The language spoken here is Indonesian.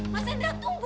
mas hendra tunggu